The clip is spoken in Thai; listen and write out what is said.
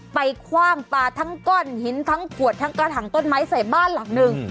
คว่างปลาทั้งก้อนหินทั้งขวดทั้งกระถังต้นไม้ใส่บ้านหลังหนึ่ง